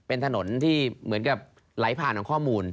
เป็นถนนที่เหมือนกับไหลผ่านของข้อมูล